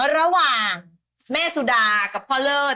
ระหว่างแม่สุดากับพ่อเลิศ